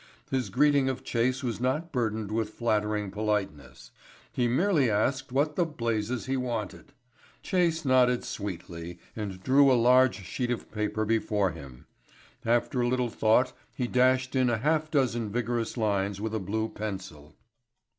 His greeting of Chase was not burdened with flattering politeness. He merely asked what the blazes he wanted. Chase nodded sweetly and drew a large sheet of paper before him. After a little thought he dashed in half a dozen vigorous lines with a blue pencil.